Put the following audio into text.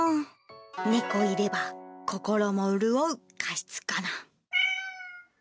猫居れば心も潤う加湿かな。